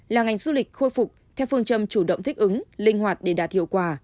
là ngành du lịch khôi phục theo phương châm chủ động thích ứng linh hoạt để đạt hiệu quả